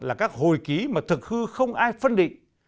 là các hồi ký mà thực hư không ai phân định